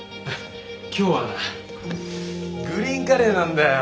今日はなグリーンカレーなんだよ。